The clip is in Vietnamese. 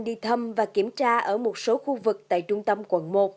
đi thăm và kiểm tra ở một số khu vực tại trung tâm quận một